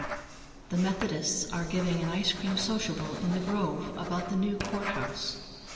The Methodists are giving an ice cream sociable in the grove about the new court house.